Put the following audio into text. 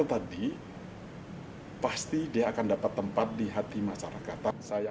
tadi pasti dia akan dapat tempat di hati masyarakat